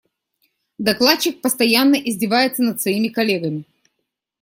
Докладчик постоянно издевается над своими коллегами.